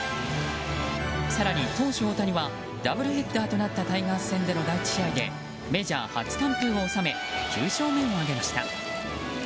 更に、投手・大谷はダブルヘッダーとなったタイガース戦での第１試合でメジャー初完封を収め９勝目を挙げました。